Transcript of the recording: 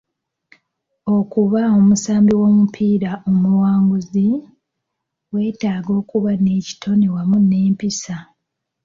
Okuba omusambi w'omupiira omuwanguzi, weetaaga okuba n'ekitone wamu n'empisa.